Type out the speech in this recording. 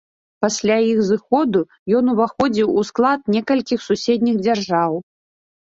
Пасля іх зыходу ён уваходзіў у склад некалькіх суседніх дзяржаў.